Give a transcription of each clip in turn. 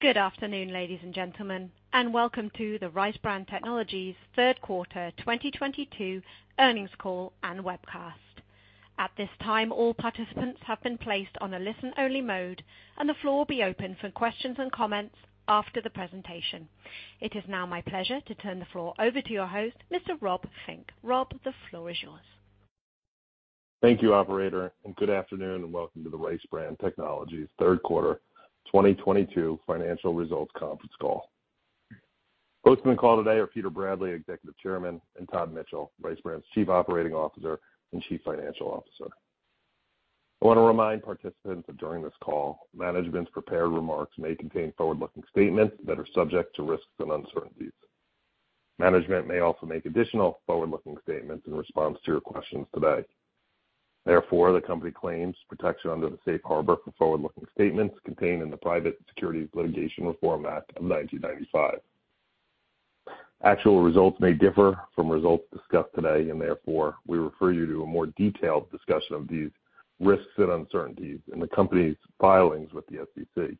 Good afternoon, ladies and gentlemen, and welcome to the RiceBran Technologies third quarter 2022 earnings call and webcast. At this time, all participants have been placed on a listen-only mode, and the floor will be open for questions and comments after the presentation. It is now my pleasure to turn the floor over to your host, Mr. Rob Fink. Rob, the floor is yours. Thank you, operator, and good afternoon and welcome to the RiceBran Technologies third quarter 2022 financial results conference call. Hosting the call today are Peter Bradley, Executive Chairman, and Todd Mitchell, RiceBran's Chief Operating Officer and Chief Financial Officer. I wanna remind participants that during this call, management's prepared remarks may contain forward-looking statements that are subject to risks and uncertainties. Management may also make additional forward-looking statements in response to your questions today. Therefore, the company claims protection under the safe harbor for forward-looking statements contained in the Private Securities Litigation Reform Act of 1995. Actual results may differ from results discussed today and therefore, we refer you to a more detailed discussion of these risks and uncertainties in the company's filings with the SEC.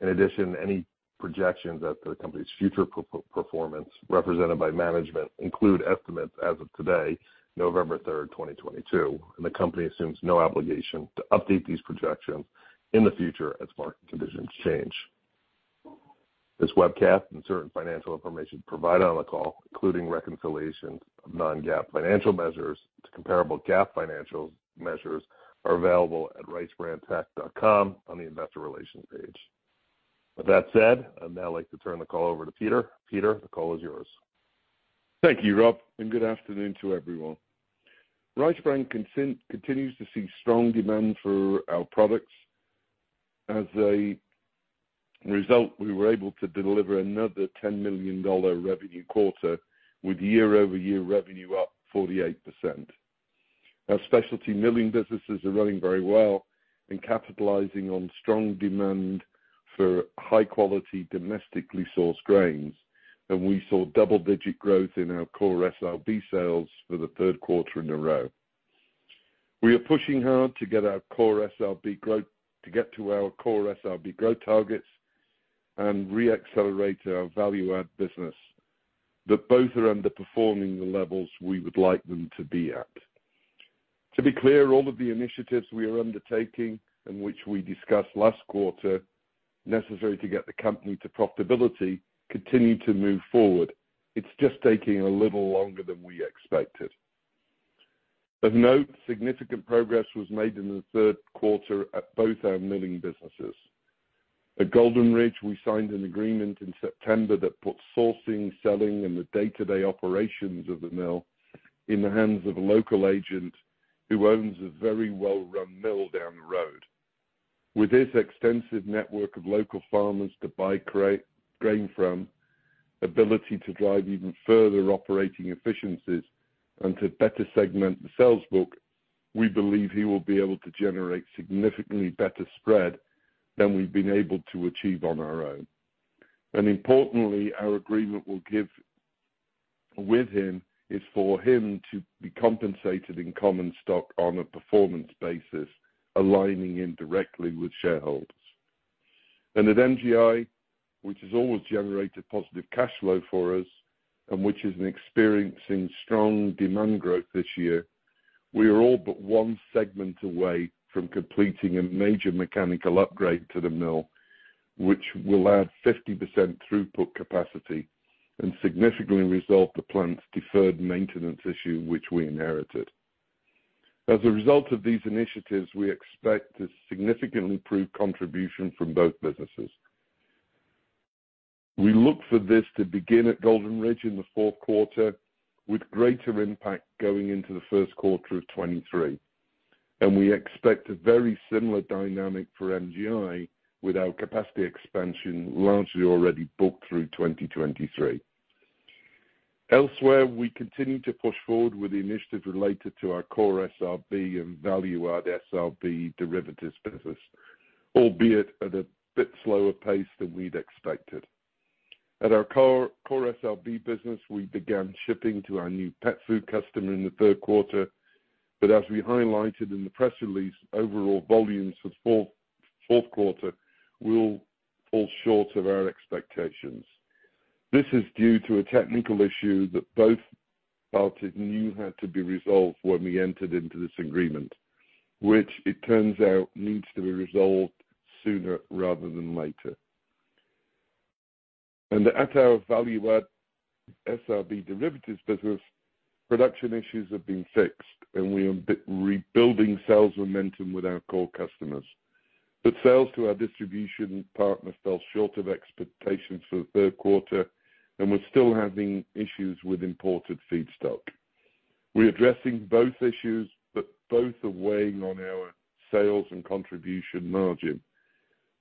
In addition, any projections of the company's future performance represented by management include estimates as of today, November third, twenty twenty-two, and the company assumes no obligation to update these projections in the future as market conditions change. This webcast and certain financial information provided on the call, including reconciliations of non-GAAP financial measures to comparable GAAP financial measures, are available at ricebrantech.com on the Investor Relations page. With that said, I'd now like to turn the call over to Peter. Peter, the call is yours. Thank you, Rob, and good afternoon to everyone. RiceBran continues to see strong demand for our products. As a result, we were able to deliver another $10 million revenue quarter with year-over-year revenue up 48%. Our specialty milling businesses are running very well and capitalizing on strong demand for high-quality, domestically sourced grains, and we saw double-digit growth in our core SRB sales for the third quarter in a row. We are pushing hard to get to our core SRB growth targets and re-accelerate our value add business, but both are underperforming the levels we would like them to be at. To be clear, all of the initiatives we are undertaking and which we discussed last quarter, necessary to get the company to profitability, continue to move forward. It's just taking a little longer than we expected. Of note, significant progress was made in the third quarter at both our milling businesses. At Golden Ridge, we signed an agreement in September that put sourcing, selling, and the day-to-day operations of the mill in the hands of a local agent who owns a very well-run mill down the road. With his extensive network of local farmers to buy grain from, ability to drive even further operating efficiencies, and to better segment the sales book, we believe he will be able to generate significantly better spread than we've been able to achieve on our own. Importantly, our agreement with him is for him to be compensated in common stock on a performance basis, aligning him directly with shareholders. At MGI, which has always generated positive cash flow for us and which is experiencing strong demand growth this year, we are all but one segment away from completing a major mechanical upgrade to the mill, which will add 50% throughput capacity and significantly resolve the plant's deferred maintenance issue which we inherited. As a result of these initiatives, we expect to significantly improve contribution from both businesses. We look for this to begin at Golden Ridge in the fourth quarter with greater impact going into the first quarter of 2023, and we expect a very similar dynamic for MGI with our capacity expansion largely already booked through 2023. Elsewhere, we continue to push forward with the initiatives related to our Core SRB and Value-Add SRB derivatives business, albeit at a bit slower pace than we'd expected. At our Core-SRB business, we began shipping to our new pet food customer in the third quarter, but as we highlighted in the press release, overall volumes for fourth quarter will fall short of our expectations. This is due to a technical issue that both parties knew had to be resolved when we entered into this agreement, which it turns out needs to be resolved sooner rather than later. At our Value-Add SRB derivatives business, production issues have been fixed, and we are rebuilding sales momentum with our core customers. Sales to our distribution partner fell short of expectations for the third quarter, and we're still having issues with imported feedstock. We're addressing both issues, but both are weighing on our sales and contribution margin.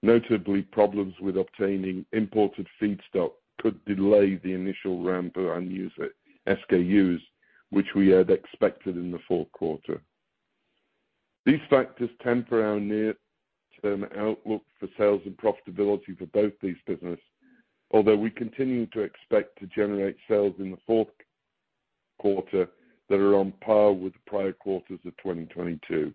Notably, problems with obtaining imported feedstock could delay the initial ramp of our new SKUs, which we had expected in the fourth quarter. These factors temper our near-term outlook for sales and profitability for both these business, although we continue to expect to generate sales in the fourth quarter that are on par with the prior quarters of 2022.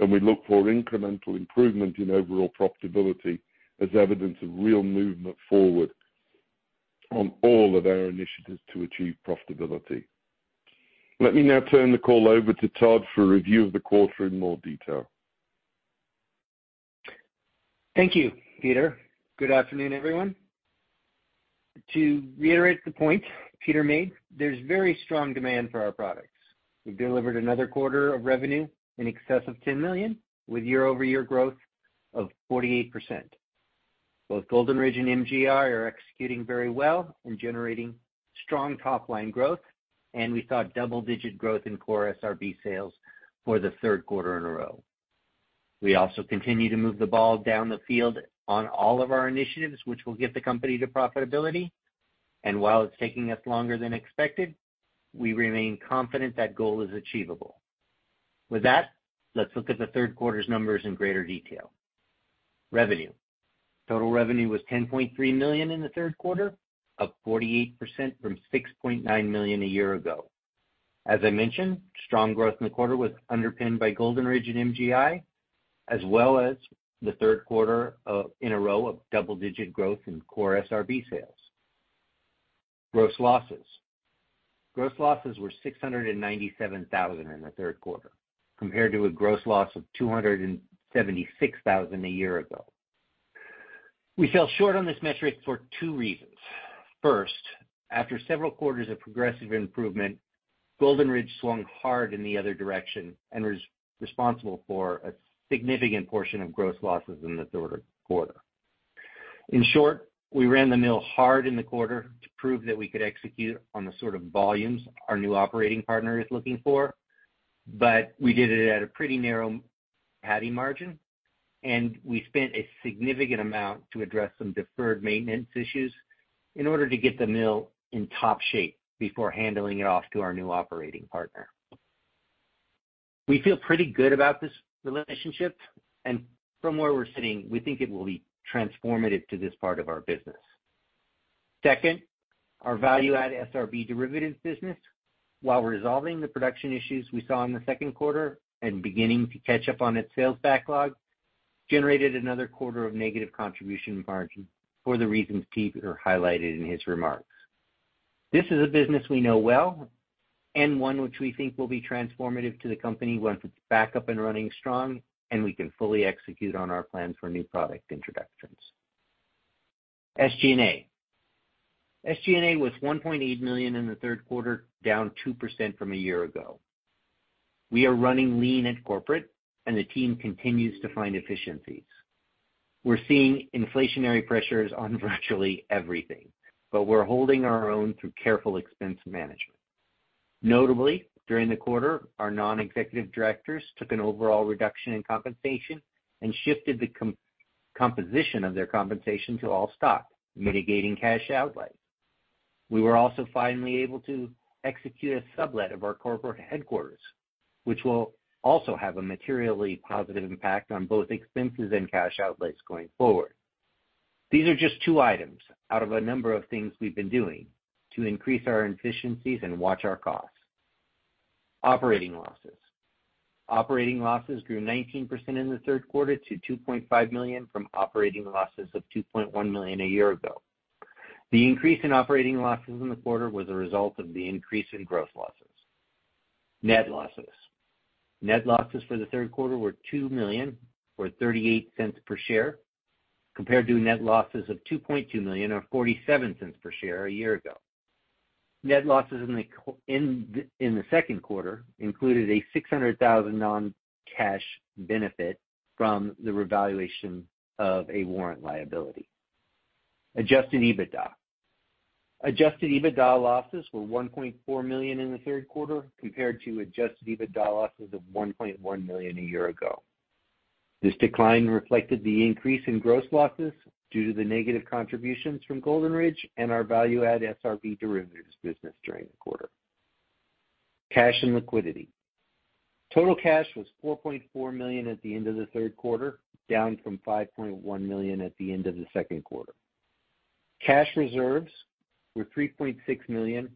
We look for incremental improvement in overall profitability as evidence of real movement forward on all of our initiatives to achieve profitability. Let me now turn the call over to Todd for a review of the quarter in more detail. Thank you, Peter. Good afternoon, everyone. To reiterate the point Peter made, there's very strong demand for our products. We've delivered another quarter of revenue in excess of $10 million, with year-over-year growth of 48%. Both Golden Ridge and MGI are executing very well and generating strong top-line growth, and we saw double-digit growth in core SRB sales for the third quarter in a row. We also continue to move the ball down the field on all of our initiatives, which will get the company to profitability. While it's taking us longer than expected, we remain confident that goal is achievable. With that, let's look at the third quarter's numbers in greater detail. Revenue. Total revenue was $10.3 million in the third quarter, up 48% from $6.9 million a year ago. As I mentioned, strong growth in the quarter was underpinned by Golden Ridge and MGI, as well as the third quarter in a row of double-digit growth in core SRB sales. Gross losses were $697,000 in the third quarter, compared to a gross loss of $276,000 a year ago. We fell short on this metric for two reasons. First, after several quarters of progressive improvement, Golden Ridge swung hard in the other direction and was responsible for a significant portion of gross losses in the third quarter. In short, we ran the mill hard in the quarter to prove that we could execute on the sort of volumes our new operating partner is looking for, but we did it at a pretty narrowing margin, and we spent a significant amount to address some deferred maintenance issues in order to get the mill in top shape before handing it off to our new operating partner. We feel pretty good about this relationship, and from where we're sitting, we think it will be transformative to this part of our business. Second, our Value-Add SRB derivatives business, while resolving the production issues we saw in the second quarter and beginning to catch up on its sales backlog, generated another quarter of negative contribution margin for the reasons Peter highlighted in his remarks. This is a business we know well, and one which we think will be transformative to the company once it's back up and running strong, and we can fully execute on our plans for new product introductions. SG&A. SG&A was $1.8 million in the third quarter, down 2% from a year ago. We are running lean at corporate, and the team continues to find efficiencies. We're seeing inflationary pressures on virtually everything, but we're holding our own through careful expense management. Notably, during the quarter, our non-executive directors took an overall reduction in compensation and shifted the composition of their compensation to all stock, mitigating cash outlay. We were also finally able to execute a sublet of our corporate headquarters, which will also have a materially positive impact on both expenses and cash outlays going forward. These are just two items out of a number of things we've been doing to increase our efficiencies and watch our costs. Operating losses grew 19% in the third quarter to $2.5 million from operating losses of $2.1 million a year ago. The increase in operating losses in the quarter was a result of the increase in gross losses. Net losses for the third quarter were $2 million, or $0.38 per share, compared to net losses of $2.2 million or $0.47 per share a year ago. Net losses in the second quarter included a $600,000 non-cash benefit from the revaluation of a warrant liability. Adjusted EBITDA. Adjusted EBITDA losses were $1.4 million in the third quarter compared to Adjusted EBITDA losses of $1.1 million a year ago. This decline reflected the increase in gross losses due to the negative contributions from Golden Ridge and our Value-Add SRB derivatives business during the quarter. Cash and liquidity. Total cash was $4.4 million at the end of the third quarter, down from $5.1 million at the end of the second quarter. Cash reserves were $3.6 million,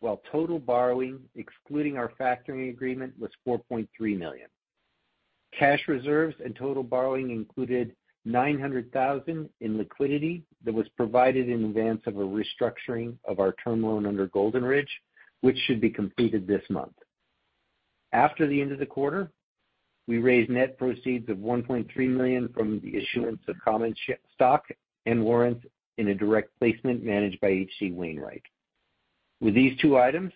while total borrowing, excluding our factoring agreement, was $4.3 million. Cash reserves and total borrowing included $900,000 in liquidity that was provided in advance of a restructuring of our term loan under Golden Ridge, which should be completed this month. After the end of the quarter, we raised net proceeds of $1.3 million from the issuance of common stock and warrants in a direct placement managed by H.C. Wainwright & Co. With these two items,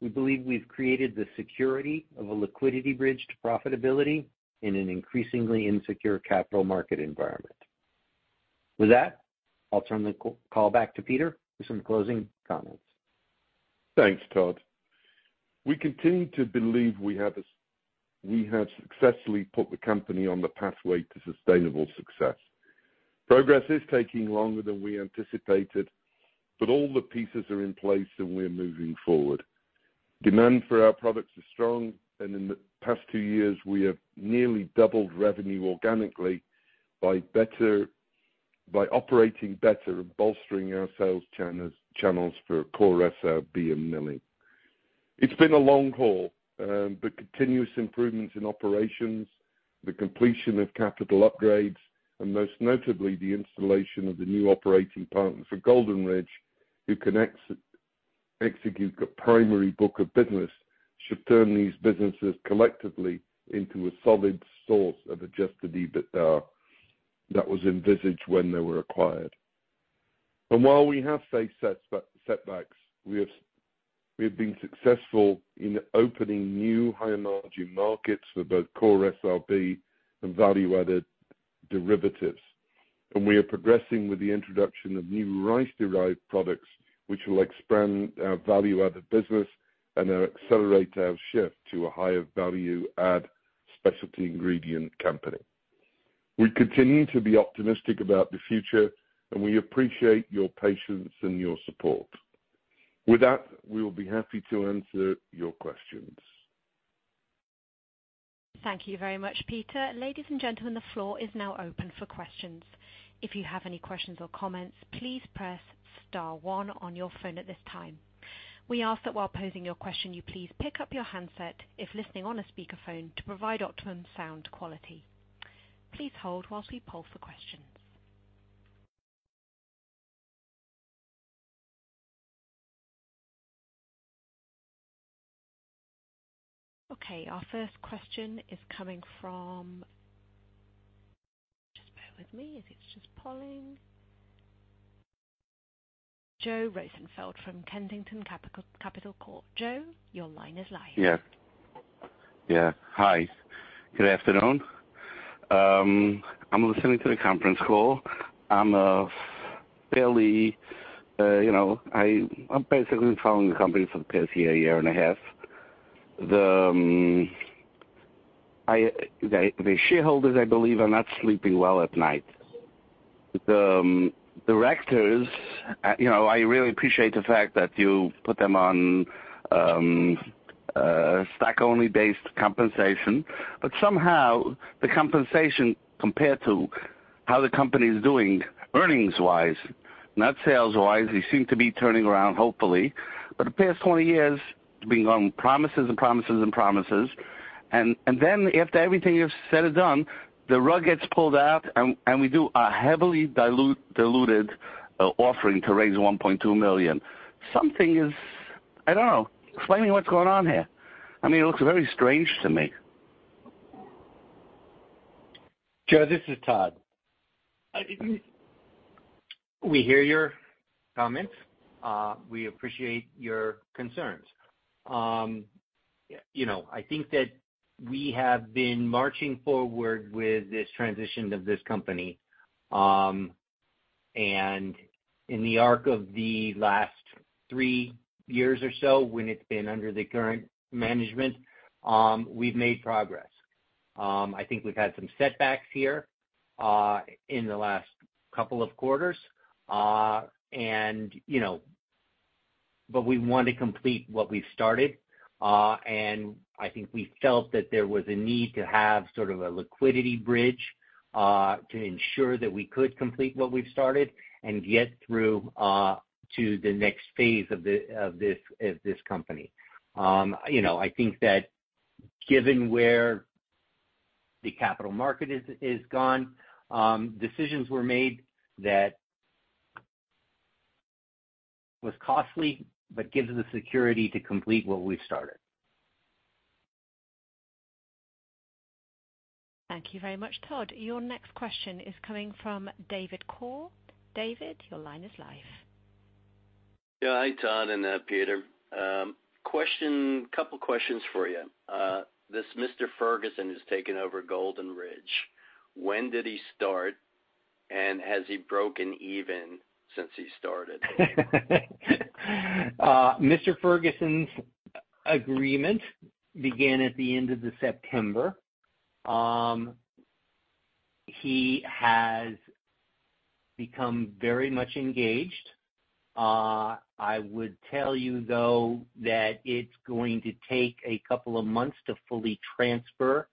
we believe we've created the security of a liquidity bridge to profitability in an increasingly insecure capital market environment. With that, I'll turn the call back to Peter Bradley for some closing comments. Thanks, Todd. We continue to believe we have successfully put the company on the pathway to sustainable success. Progress is taking longer than we anticipated, but all the pieces are in place and we're moving forward. Demand for our products is strong, and in the past two years, we have nearly doubled revenue organically by operating better and bolstering our sales channels for Core SRB and milling. It's been a long haul, but continuous improvements in operations, the completion of capital upgrades, and most notably, the installation of the new operating partner for Golden Ridge, who can execute the primary book of business, should turn these businesses collectively into a solid source of Adjusted EBITDA that was envisaged when they were acquired. While we have faced setbacks, we have been successful in opening new high-margin markets for both core SRB and value-added derivatives. We are progressing with the introduction of new rice-derived products, which will expand our value-added business and accelerate our shift to a higher value add specialty ingredient company. We continue to be optimistic about the future, and we appreciate your patience and your support. With that, we will be happy to answer your questions. Thank you very much, Peter. Ladies and gentlemen, the floor is now open for questions. If you have any questions or comments, please press Star one on your phone at this time. We ask that while posing your question, you please pick up your handset if listening on a speakerphone to provide optimum sound quality. Please hold while we poll for questions. Okay, our first question is coming from. Just bear with me. It's just polling. Joel Rosenfeld from Kensington Capital Corp. Joe, your line is live. Yeah. Yeah. Hi. Good afternoon. I'm listening to the conference call. I'm fairly, you know, I'm basically following the company for the past year and a half. The shareholders, I believe, are not sleeping well at night. The directors, you know, I really appreciate the fact that you put them on stock-only based compensation, but somehow the compensation compared to how the company is doing earnings-wise, not sales-wise, they seem to be turning around, hopefully. The past 20 years has been on promises and promises and promises. Then after everything you've said and done, the rug gets pulled out and we do a heavily diluted offering to raise $1.2 million. Something is, I don't know, explain to me what's going on here. I mean, it looks very strange to me. Joe, this is Todd. We hear your comments. We appreciate your concerns. You know, I think that we have been marching forward with this transition of this company, and in the arc of the last three years or so when it's been under the current management, we've made progress. I think we've had some setbacks here in the last couple of quarters, and, you know, but we want to complete what we've started. I think we felt that there was a need to have sort of a liquidity bridge to ensure that we could complete what we've started and get through to the next phase of this company. You know, I think that given where the capital markets have gone, decisions were made that was costly, but gives the security to complete what we've started. Thank you very much, Todd. Your next question is coming from David Core. David, your line is live. Yeah. Hi, Todd and Peter. Question, couple of questions for you. This Mr. Ferguson has taken over Golden Ridge. When did he start, and has he broken even since he started? Mr. Ferguson's agreement began at the end of September. He has become very much engaged. I would tell you, though, that it's going to take a couple of months to fully transfer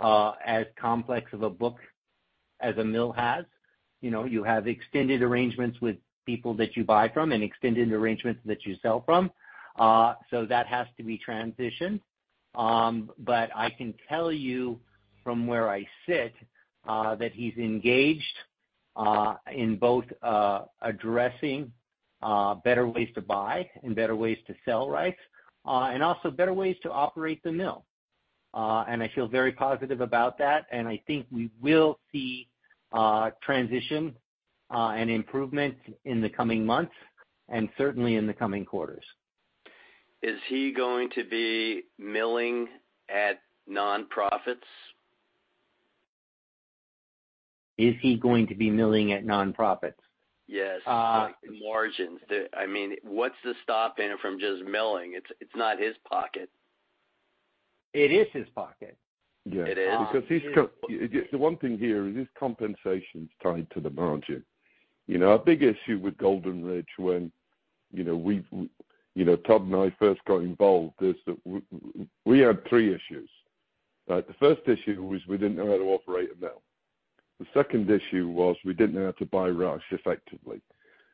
as complex of a book as a mill has. You know, you have extended arrangements with people that you buy from and extended arrangements that you sell from. That has to be transitioned. I can tell you from where I sit that he's engaged in both addressing better ways to buy and better ways to sell rice and also better ways to operate the mill. I feel very positive about that, and I think we will see transition and improvement in the coming months and certainly in the coming quarters. Is he going to be milling at non-profits? Is he going to be milling at nonprofits? Yes. Margins. I mean, what's the cost in it from just milling? It's not his pocket. It is his pocket. It is? Yeah. The one thing here is his compensation is tied to the margin. You know, our big issue with Golden Ridge when, you know, we've, you know, Todd and I first got involved, is we had three issues. Right. The first issue was we didn't know how to operate a mill. The second issue was we didn't know how to buy rice effectively.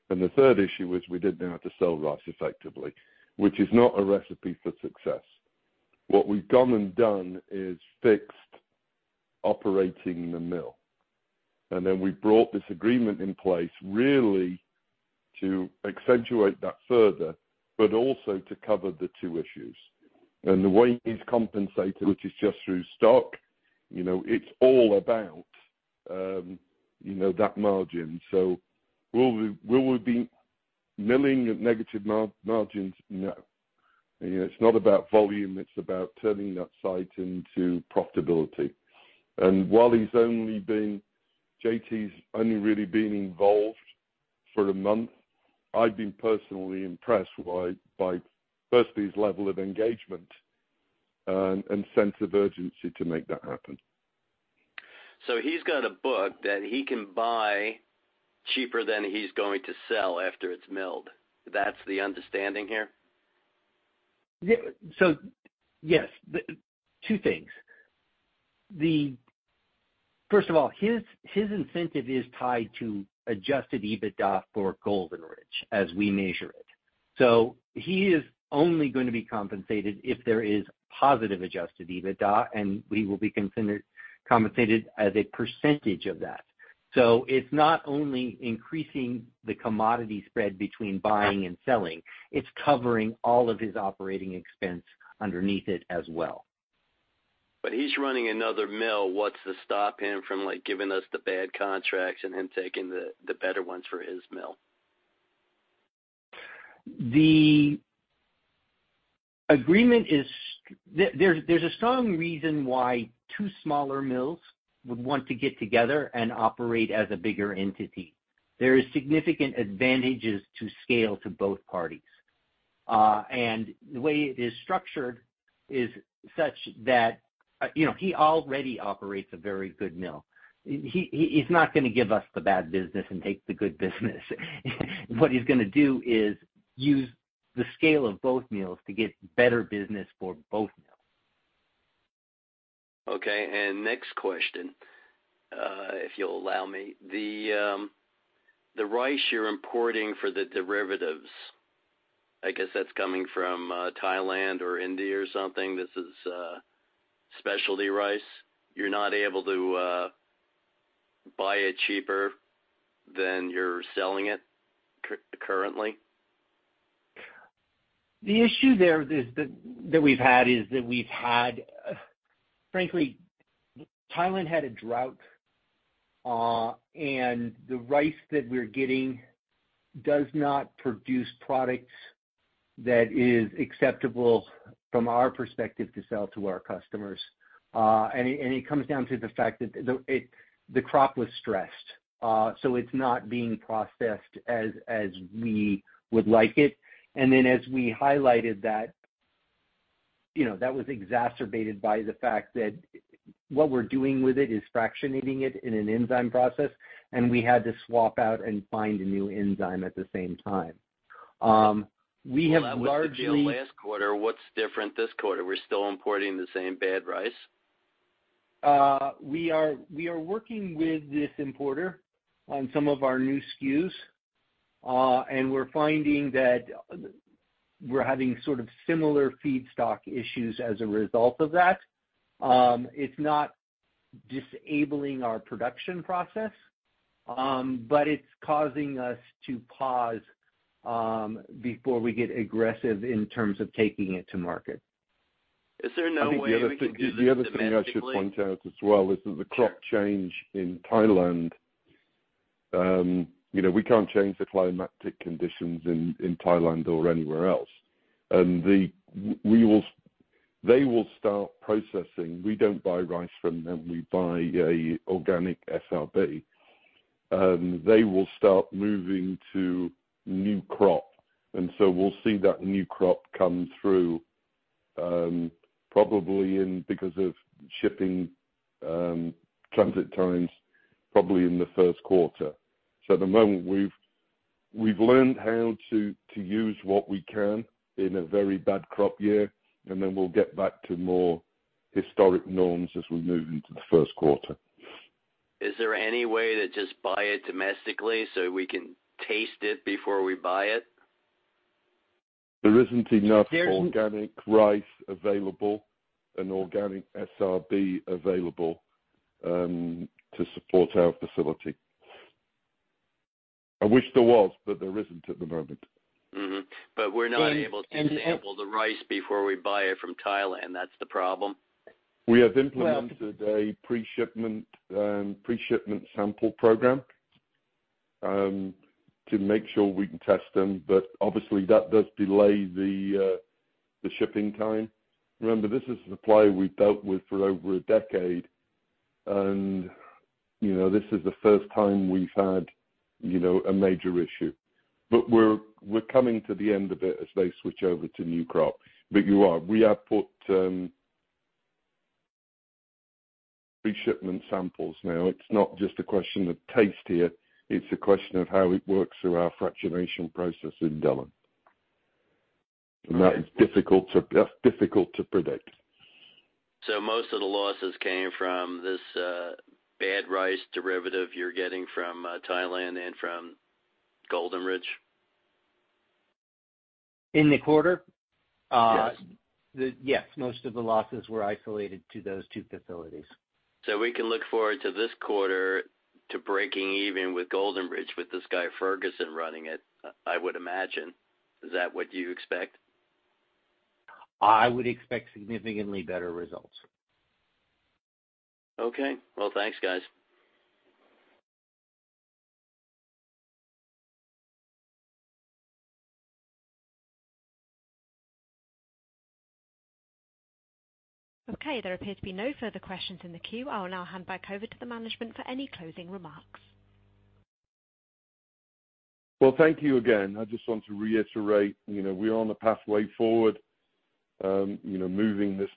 The third issue was we didn't know how to sell rice effectively, which is not a recipe for success. What we've gone and done is fixed operating the mill, and then we brought this agreement in place really to accentuate that further, but also to cover the two issues. The way he's compensated, which is just through stock, you know, it's all about, you know, that margin. Will we be milling at negative margins? No. You know, it's not about volume, it's about turning that site into profitability. J.T.'s only really been involved for a month, I've been personally impressed by firstly, his level of engagement, and sense of urgency to make that happen. He's got a book that he can buy cheaper than he's going to sell after it's milled. That's the understanding here? Yeah. Yes. Two things. First of all, his incentive is tied to Adjusted EBITDA for Golden Ridge as we measure it. He is only gonna be compensated if there is positive Adjusted EBITDA, and he will be considered compensated as a percentage of that. It's not only increasing the commodity spread between buying and selling, it's covering all of his operating expense underneath it as well. He's running another mill. What's to stop him from, like, giving us the bad contracts and him taking the better ones for his mill? The agreement is. There's a strong reason why two smaller mills would want to get together and operate as a bigger entity. There is significant advantages to scale to both parties. The way it is structured is such that, you know, he already operates a very good mill. He's not gonna give us the bad business and take the good business. What he's gonna do is use the scale of both mills to get better business for both mills. Okay. Next question, if you'll allow me. The rice you're importing for the derivatives, I guess that's coming from Thailand or India or something. This is specialty rice. You're not able to buy it cheaper than you're selling it currently? The issue there is that we've had. Frankly, Thailand had a drought, and the rice that we're getting does not produce products that is acceptable from our perspective to sell to our customers. It comes down to the fact that the crop was stressed, so it's not being processed as we would like it. Then as we highlighted that, you know, that was exacerbated by the fact that what we're doing with it is fractionating it in an enzyme process, and we had to swap out and find a new enzyme at the same time. We have largely- Well, that was the deal last quarter. What's different this quarter? We're still importing the same bad rice. We are working with this importer on some of our new SKUs, and we're finding that we're having sort of similar feedstock issues as a result of that. It's not disabling our production process, but it's causing us to pause before we get aggressive in terms of taking it to market. Is there no way we can do this domestically? I think the other thing I should point out as well is that the crop change in Thailand, you know, we can't change the climatic conditions in Thailand or anywhere else. They will start processing. We don't buy rice from them. We buy an organic SRB. They will start moving to new crop, and so we'll see that new crop come through, probably in, because of shipping, transit times, probably in the first quarter. At the moment, we've learned how to use what we can in a very bad crop year, and then we'll get back to more historic norms as we move into the first quarter. Is there any way to just buy it domestically so we can taste it before we buy it? There isn't enough organic rice available and organic SRB available to support our facility. I wish there was, but there isn't at the moment. And, and- We're not able to sample the rice before we buy it from Thailand. That's the problem. We have implemented a pre-shipment sample program to make sure we can test them, but obviously, that does delay the shipping time. Remember, this is supply we've dealt with for over a decade, and, you know, this is the first time we've had, you know, a major issue. We're coming to the end of it as they switch over to new crop. You are. We have put pre-shipment samples now. It's not just a question of taste here, it's a question of how it works through our fractionation process in Dillon. That's difficult to predict. Most of the losses came from this bad rice derivative you're getting from Thailand and from Golden Ridge. In the quarter? Yes. Yes, most of the losses were isolated to those two facilities. We can look forward to this quarter to breaking even with Golden Ridge, with this guy Ferguson running it, I would imagine. Is that what you expect? I would expect significantly better results. Okay. Well, thanks, guys. Okay, there appears to be no further questions in the queue. I'll now hand back over to the management for any closing remarks. Well, thank you again. I just want to reiterate, you know, we are on a pathway forward, you know, moving this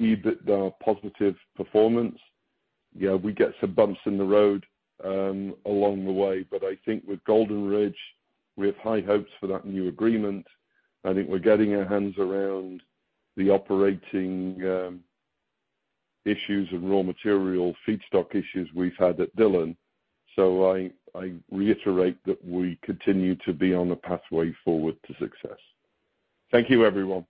business towards EBITDA positive performance. Yeah, we get some bumps in the road, along the way, but I think with Golden Ridge, we have high hopes for that new agreement. I think we're getting our hands around the operating issues and raw material feedstock issues we've had at Dillon. I reiterate that we continue to be on a pathway forward to success. Thank you, everyone.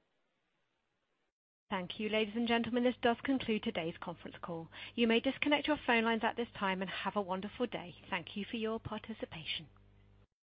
Thank you, ladies and gentlemen. This does conclude today's conference call. You may disconnect your phone lines at this time, and have a wonderful day. Thank you for your participation.